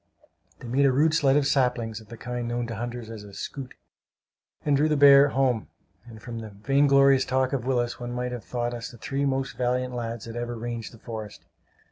They made a rude sled of saplings, of the kind known to hunters as a "scoot," and drew the bear home; and from the vainglorious talk of Willis one might have thought us the three most valiant lads that ever ranged the forest!